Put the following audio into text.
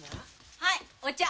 はいお茶。